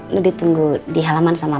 lo ditunggu di halaman sama